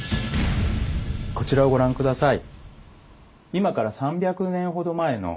こちらをご覧下さい。